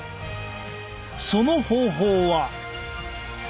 その方法は。